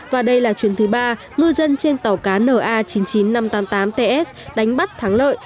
và đây là chuyến thứ ba ngư dân trên tàu cá na chín mươi chín nghìn năm trăm tám mươi tám ts đánh bắt thắng lợi